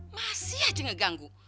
masih aja ngeganggu